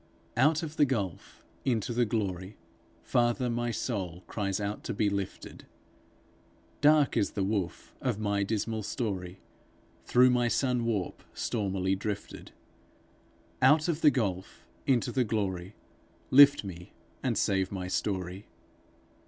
Out of the gulf into the glory, Father, my soul cries out to be lifted. Dark is the woof of my dismal story, Thorough thy sun warp stormily drifted! Out of the gulf into the glory, Lift me, and save my story.